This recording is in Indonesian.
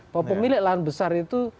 bahwa pemilik lahan besar itu